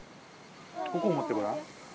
ここを持ってごらん。